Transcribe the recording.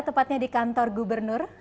tepatnya di kantor gubernatorial